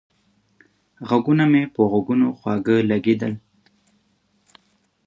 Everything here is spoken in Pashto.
غږونه مې په غوږونو خواږه لگېدل